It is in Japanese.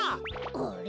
あれ？